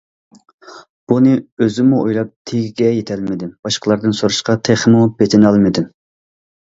بۇنى ئۆزۈممۇ ئويلاپ تېگىگە يېتەلمىدىم، باشقىلاردىن سوراشقا تېخىمۇ پېتىنالمىدىم.